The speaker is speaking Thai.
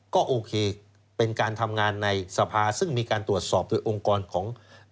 ก็โอเคเป็นการทำงานในสภาซึ่งมีการตรวจสอบโดยองค์กรของ